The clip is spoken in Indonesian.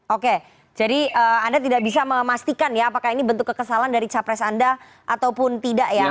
oke jadi anda tidak bisa memastikan ya apakah ini bentuk kekesalan dari capres anda ataupun tidak ya